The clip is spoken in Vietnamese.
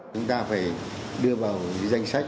chúng ta phải đưa vào danh sách